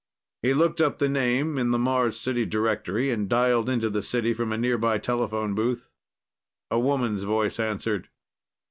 He looked up the name in the Mars City directory and dialed into the city from a nearby telephone booth. A woman's voice answered.